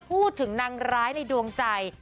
พูดถึงนางร้ายในดวงใจ